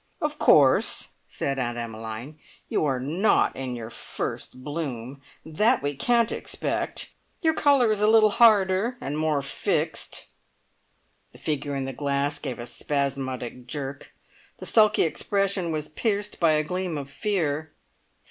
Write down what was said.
"Of course," said Aunt Emmeline, "you are not in your first bloom. That we can't expect. Your colour is a little harder and more fixed" (the figure in the glass gave a spasmodic jerk. The sulky expression was pierced by a gleam of fear.